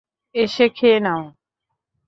এসে খেয়ে নাও।